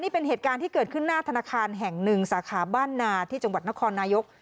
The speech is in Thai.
เป็นเหตุการณ์ที่เกิดขึ้นหน้าธนาคารแห่ง๑สาขาบ้านนาที่นยก